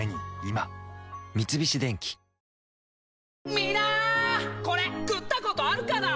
みんなこれ食ったことあるかな？